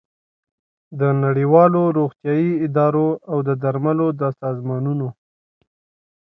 د نړیوالو روغتیايي ادارو او د درملو د سازمانونو